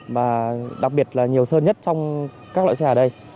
và đặc biệt là nhiều sơn nhất trong các loại xe ở đây